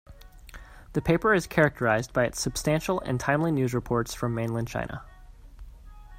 The paper is characterized by its substantial and timely news reports from Mainland China.